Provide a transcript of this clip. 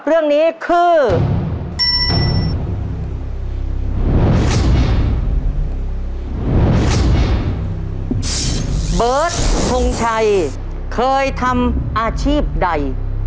เบิร์ตทงชัยเคยทำอาชีพใด